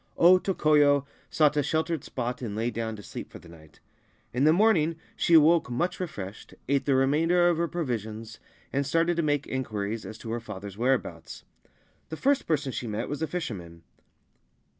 O Tokoyo sought a sheltered spot, and lay down to sleep for the night. In the morning she awoke much refreshed, ate the remainder of her provisions, and started to make inquiries as to her father's whereabouts. The first person she met was a fisherman.